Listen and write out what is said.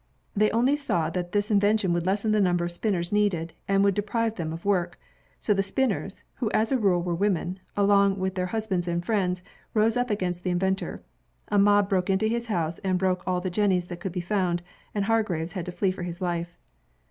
They only saw that this invention would lessen the number of spinners needed, and would deprive them of work. So the spinners, who as a rule were women, along with their husbands and friends, rose up against the in ventor. A mob broke into his house and broke all the jennies that could be found, and Hargreaves had to flee for his life.